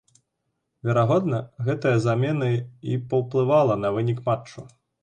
Верагодна, гэтая замена і паўплывала на вынік матчу.